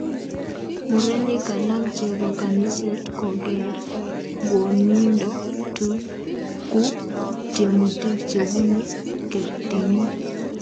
Murenik alam chebo kaniset kogeere ngwonindo ku tyemutik chebunu kertinin